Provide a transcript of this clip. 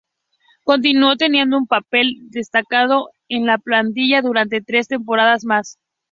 Continuó teniendo un papel destacado en la plantilla durante tres temporadas más.